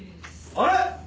あれ？